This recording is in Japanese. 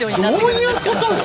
どういうことよ？